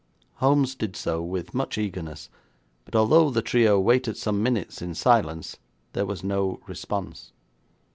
Holmes did so with much eagerness, but, although the trio waited some minutes in silence, there was no response.